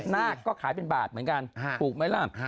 นาคก็ขายเป็นบาทเหมือนกันถูกไหมล่ะ